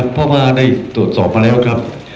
เพราะว่าได้ตรวจสอบมาแล้วครับ